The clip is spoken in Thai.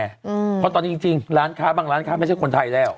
เพราะตอนนี้จริงร้านค้าบางร้านค้าไม่ใช่คนไทยแล้ว